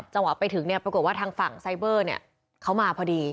จังหวัดไปถึงปรากฏว่าทางฝั่งไซเบอร์เขามาพอดี